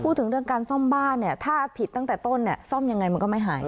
พูดถึงเรื่องการซ่อมบ้านเนี่ยถ้าผิดตั้งแต่ต้นเนี่ยซ่อมยังไงมันก็ไม่หาย